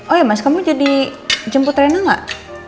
oh iya mas kamu jadi jemput rena gak